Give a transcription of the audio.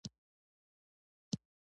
د مالګې سره خلک مینه لري.